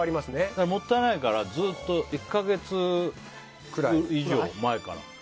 もったいないからずっと１か月以上前から。